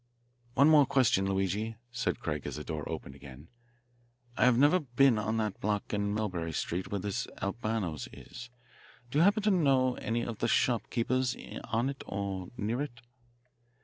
"One more question, Luigi," said Craig as the door opened again. "I have never been on that block in Mulberry Street where this Albano's is. Do you happen to know any of the shopkeepers on it or near it?"